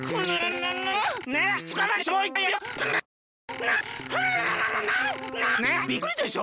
びっくりでしょ？